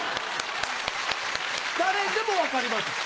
誰でも分かります。